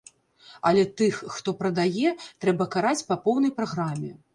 Але тых, хто прадае, трэба караць па поўнай праграме.